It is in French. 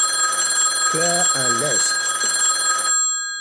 Clair à l'Est.